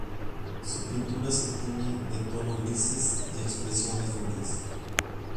Su pintura se tiñe de tonos grises y expresiones duras.